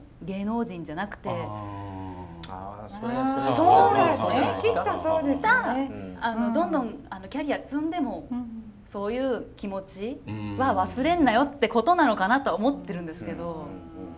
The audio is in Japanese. そういったどんどんキャリア積んでもそういう気持ちは忘れんなよってことなのかなとは思ってるんですけど。